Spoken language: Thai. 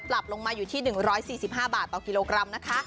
ปรับลงมาอยู่ที่๑๔๕บาทต่อกิโลกรัมนะคะ